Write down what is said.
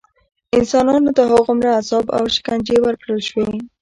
انسانانو ته هغومره عذاب او شکنجې ورکړل شوې.